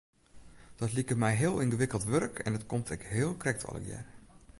Dat liket my heel yngewikkeld wurk en dat komt ek heel krekt allegear.